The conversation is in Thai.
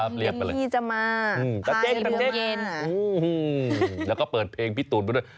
พี่จะมาพายเรื้อเย็นแล้วก็เปิดเพลงพี่ตูนไปด้วย